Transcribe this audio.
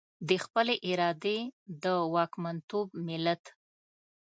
د خپلې ارادې د واکمنتوب ملت.